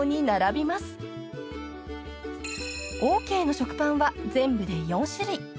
［オーケーの食パンは全部で４種類］